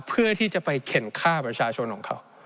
เพื่อที่จะไปเข็นฆ่าประชาชนของเขา